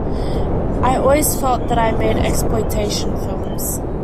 I always felt that I made exploitation films.